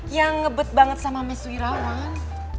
yang ngebet banget sama meswi rawan